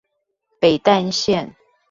北淡線